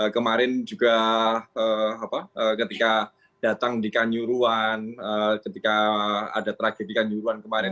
kemarin juga ketika datang di kanjuruan ketika ada tragedi kanjuruan kemarin